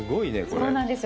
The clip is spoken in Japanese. そうなんですよ。